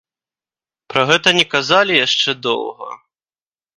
Пра гэта не казалі яшчэ доўга.